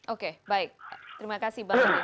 oke baik terima kasih bang sandi